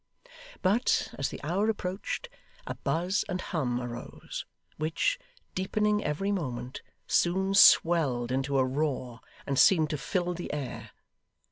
But, as the hour approached, a buzz and hum arose, which, deepening every moment, soon swelled into a roar, and seemed to fill the air.